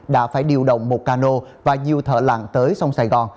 đã phải điều động một cano và nhiều thợ lặng tới sông sài gòn